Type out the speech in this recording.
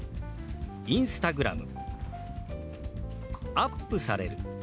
「アップされる」。